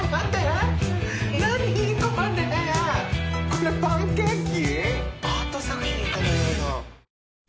これパンケーキ？